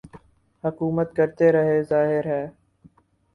حکومت کرتے رہے ظاہر ہے